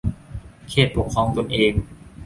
เขตปกครองตนเอง